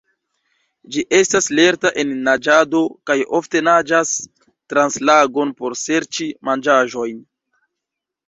Ĝi estas lerta en naĝado kaj ofte naĝas trans lagon por serĉi manĝaĵojn.